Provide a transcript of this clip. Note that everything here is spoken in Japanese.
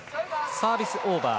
サービスオーバー。